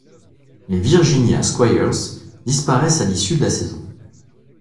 Les Virginia Squires disparaissent à l'issue de la saison.